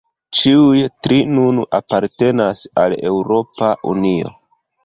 Ĉiuj tri nun apartenas al Eŭropa Unio.